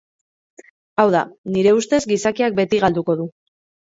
Hau da, nire ustez gizakiak beti galduko du.